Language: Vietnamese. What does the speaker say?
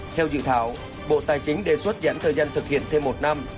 theo dự thảo bộ tài chính đề xuất giãn thời gian thực hiện thêm một năm